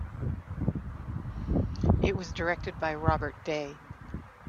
It was directed by Robert Day.